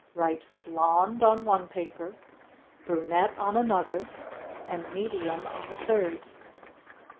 Write "blonde" on one paper; "brunette," on another, and "medium" on the third.